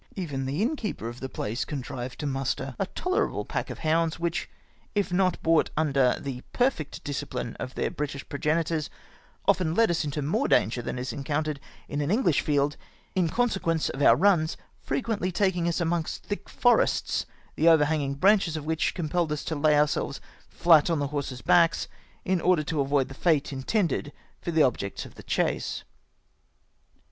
Even the innkeeper of the place contrived to muster a tolerable pack of hounds which, if not brought under the perfect disciphne of tliek British progenitors, often led us into more danger than is encountered in an Enghsli field, in consequence of our runs frequently AN UNDIGNIFIED ENCOUNTEE. 7i taking iis amongst thick forests, tlie overhanging branches of which compelled us to lay om^selves flat on the horses' backs, in order to avoid the fate intended for the objects of the chase.